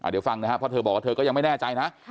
เพราะเธอบอกว่าเธอก็ยังไม่แน่ใจนะ